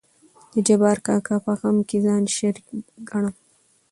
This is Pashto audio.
د جبار کاکا په غم کې ځان شريک ګنم.